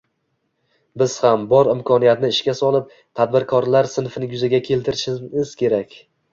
Biz ham, bor imkoniyatni ishga solib, tadbirkorlar sinfini yuzaga keltirishimiz kerak.